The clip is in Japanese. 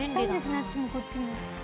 あっちもこっちも。